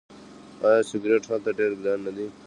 آیا سیګرټ هلته ډیر ګران نه دي؟